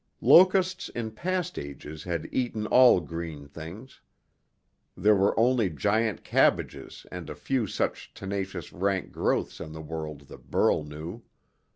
Locusts in past ages had eaten all green things. There were only giant cabbages and a few such tenacious rank growths in the world that Burl knew.